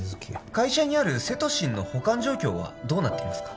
会社にあるセトシンの保管状況はどうなっていますか？